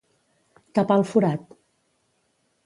Tapar el forat.